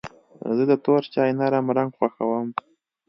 زه د تور چای نرم رنګ خوښوم.